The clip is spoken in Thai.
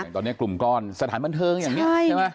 ตอนนี้กลุ่มก้อนสถานบันเทิงอย่างนี้ใช่ไหม